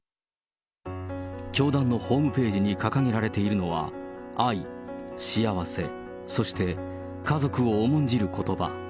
教団のホームページに掲げられているのは、愛、幸せ、そして家族を重んじることば。